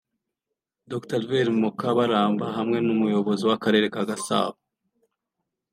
Dr Alvera Mukabaramba hamwe n’Umuyobozi w’Akarere ka Gasabo